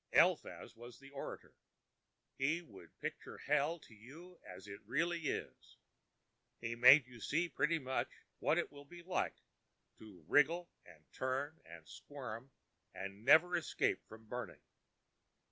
Eliphaz was the orator. He would picture Hell to you as it really is. He made you see pretty much what it will be like to wriggle and turn and squirm, and never escape from burning.